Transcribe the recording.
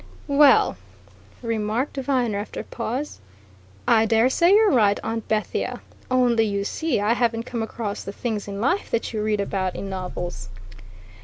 "Well!" remarked Viner after a pause, "I dare say you're right, Aunt Bethia. Only, you see, I haven't come across the things in life that you read about in novels."